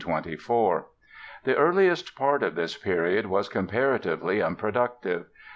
The earlier part of this period was comparatively unproductive.